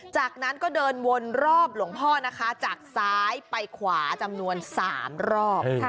จากนั้นก็เดินวนรอบหลวงพ่อนะคะจากซ้ายไปขวาจำนวน๓รอบ